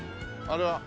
あれは。